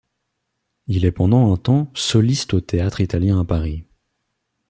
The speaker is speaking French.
Il est pendant un temps soliste au Théâtre italien à Paris.